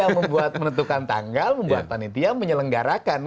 ya membuat menentukan tanggal membuat kepanitiaan menyelenggarakan